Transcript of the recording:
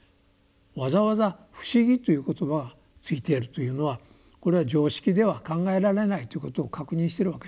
わざわざ「不思議」という言葉がついているというのはこれは常識では考えられないということを確認しているわけですね。